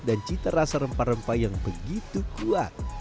dan cita rasa rempah rempah yang begitu kuat